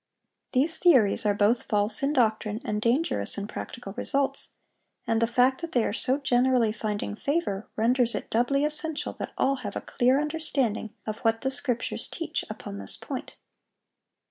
These theories are both false in doctrine and dangerous in practical results; and the fact that they are so generally finding favor, renders it doubly essential that all have a clear understanding of what the Scriptures teach upon this point.